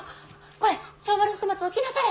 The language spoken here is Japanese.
これ長丸福松起きなされ！